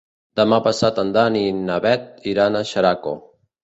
Demà passat en Dan i na Bet iran a Xeraco.